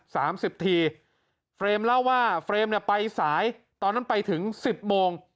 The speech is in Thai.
สามสิบทีเฟรมเล่าว่าเฟรมเนี่ยไปสายตอนนั้นไปถึงสิบโมง